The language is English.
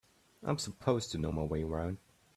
I'm supposed to know my way around.